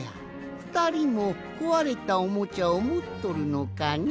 ふたりもこわれたおもちゃをもっとるのかね？